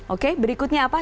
oke berikutnya apa